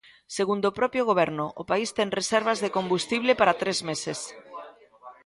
Segundo o propio Goberno, o país ten reservas de combustible para tres meses.